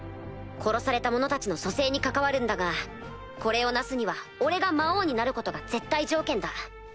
殺された者たちの蘇生に関わるんだがこれを成すには俺が魔王になることが絶対条件だ。